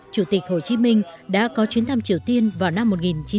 chủ tịch hồ chí minh đã có chuyến thăm triều tiên vào năm một nghìn chín trăm bảy mươi